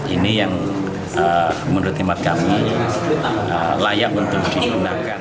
ini yang menurut imat kami layak untuk digunakan